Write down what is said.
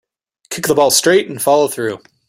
Kick the ball straight and follow through.